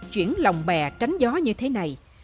chuyển lòng bè tránh gió như thế này